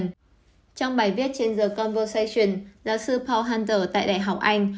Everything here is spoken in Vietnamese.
trong bài viết trên the conversation giáo sư paul hunter tại đại học anh